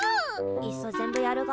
いっそ全部やるが？